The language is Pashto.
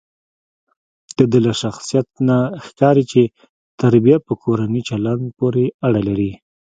دده له شخصیت نه ښکاري چې تربیه په کورني چلند پورې اړه لري.